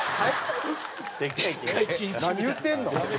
何言うてんの？